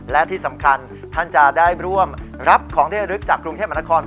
และที่สำคัญท่านจะได้ร่วมรับของที่ระลึกจากกรุงเทพมหานคร